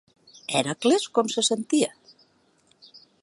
Hèracles com se sentia?